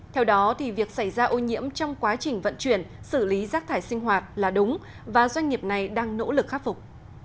theo đó việc xảy ra ô nhiễm trong quá trình vận chuyển xử lý rác thải sinh hoạt là đúng và doanh nghiệp này đang nỗ lực khắc phục